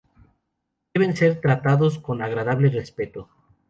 Deben ser tratados con agradable respeto".